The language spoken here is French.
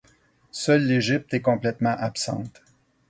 Seule l'Égypte est complètement absente.